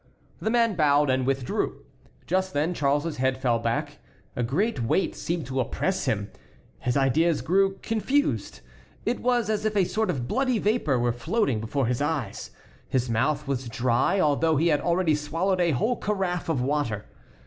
The man bowed and withdrew. Just then Charles's head fell back, a great weight seemed to oppress him; his ideas grew confused; it was as if a sort of bloody vapor were floating before his eyes; his mouth was dry, although he had already swallowed a whole carafe of water.